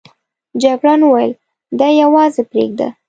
جګړن وویل دی یوازې پرېږده.